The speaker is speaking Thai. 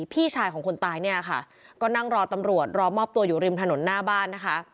พี่ชายของคนตายเนี่ยค่ะก็นั่งรอตำรวจรอมอบตัวอยู่ริมถนนหน้าบ้านนะคะ